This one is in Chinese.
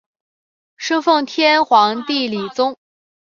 生奉天皇帝李琮。